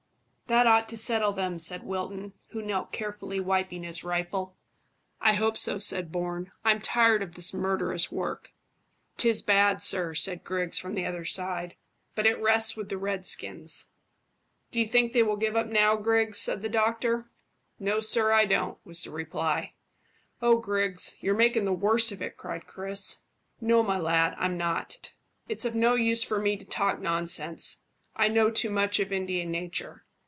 "That ought to settle them," said Wilton, who knelt carefully wiping his rifle. "I hope so," said Bourne. "I'm tired of this murderous work." "'Tis bad, sir," said Griggs, from the other side; "but it rests with the redskins." "Do you think they will give up now, Griggs?" said the doctor. "No, sir; I don't," was the reply. "Oh, Griggs, you're making the worst of it," cried Chris. "No, my lad, I'm not. It's of no use for me to talk nonsense. I know too much of Indian nature.